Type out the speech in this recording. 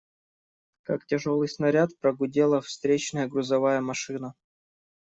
Как тяжелый снаряд, прогудела встречная грузовая машина.